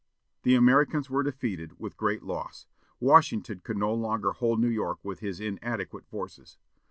The Americans were defeated, with great loss. Washington could no longer hold New York with his inadequate forces.